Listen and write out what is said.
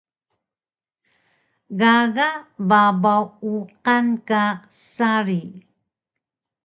Gaga babaw uqan ka sari